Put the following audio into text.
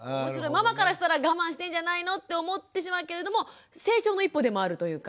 ママからしたら我慢してんじゃないのって思ってしまうけれども成長の一歩でもあるというか。